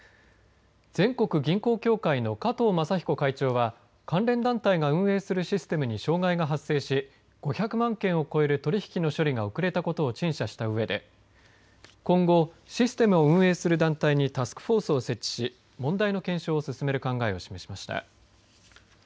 全国銀行協会の加藤勝彦会長は関連団体が運営するシステムに障害が発生し５００万件を超える取り引きの処理が遅れたことを陳謝したうえで今後、システムを運営する団体にタスクフォースを設置し問題の検証を進める考えを示しました。